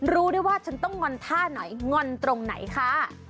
รู้ได้ว่าฉันต้องงอนท่าไหนงอนตรงไหนค่ะ